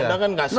anda kan kasih